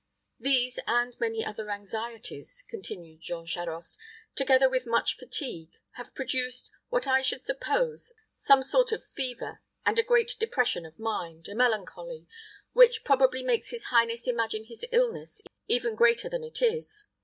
"These, and many other anxieties," continued Jean Charost, "together with much fatigue, have produced, what I should suppose, some sort of fever, and a great depression of mind a melancholy which probably makes his highness imagine his illness even greater than it is.